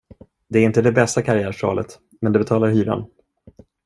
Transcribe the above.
Det är inte det bästa karriärsvalet, men det betalar hyran.